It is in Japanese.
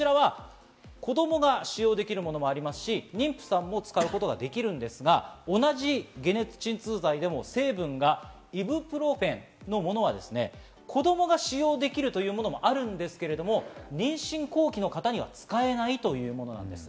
子供が使用できるものもありますし、妊婦さんも使うことができるんですが、同じ解熱鎮痛剤でも成分がイブプロフェンのものは子供が使用できるというものもあるんですけれども、妊娠後期の方には使えないというものです。